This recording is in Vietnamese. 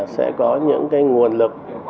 sẽ có những cái nguồn lực